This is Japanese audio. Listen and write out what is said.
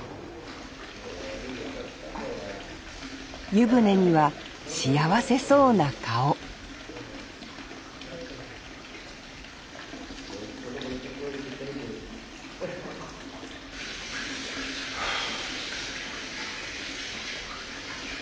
湯船には幸せそうな顔ふぅ。